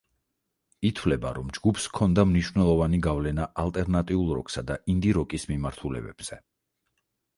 ითვლება, რომ ჯგუფს ჰქონდა მნიშვნელოვანი გავლენა ალტერნატიულ როკსა და ინდი-როკის მიმართულებებზე.